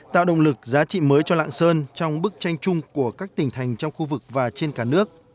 tạo động lực giá trị mới cho lạng sơn trong bức tranh chung của các tỉnh thành trong khu vực và trên cả nước